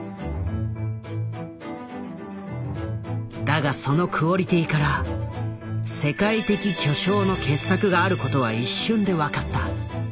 だがそのクオリティーから世界的巨匠の傑作があることは一瞬で分かった。